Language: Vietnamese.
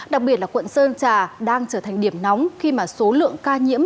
đặc biệt là quận sơn trà đang trở thành điểm nóng khi mà số lượng ca nhiễm